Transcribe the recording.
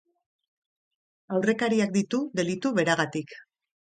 Aurrekariak ditu delitu beragatik.